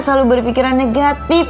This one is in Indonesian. selalu berpikiran negatif